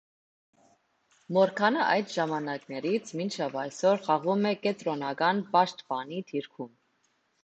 Մորգանը այդ ժամանակներից մինչև այսօր խաղում է կենտրոնական պաշտպանի դիրքում։